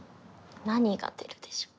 何が出るでしょう？